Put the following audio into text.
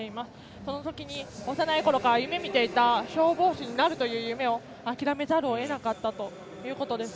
そのとき、幼いころから夢みていた消防士になる夢を諦めざるを得なかったということです。